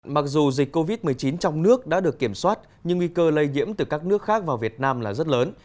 mặc dù dịch covid một mươi chín trong nước đã được kiểm soát nhưng nguy cơ lây nhiễm từ các nước khác vào việt nam là rất lớn